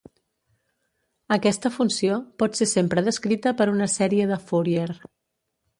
Aquesta funció pot ser sempre descrita per una sèrie de Fourier.